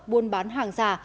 buôn bán hàng giả